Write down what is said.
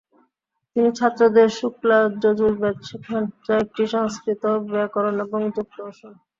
তিনি ছাত্রদের শুক্লা-যজুর্বেদ শেখান, যা একটি সংস্কৃত ব্যাকরণ এবং যোগ দর্শন।